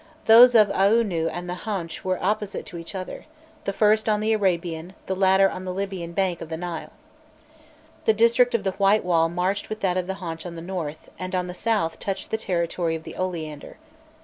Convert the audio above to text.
Those of Aûnû and the Haunch were opposite to each other, the first on the Arabian, the latter on the Libyan bank of the Nile. The district of the White Wall marched with that of the Haunch on the north, and on the south touched the territory of the Oleander.